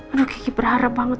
aduh ki berharap banget